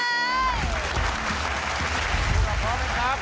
เราพร้อมไหมครับ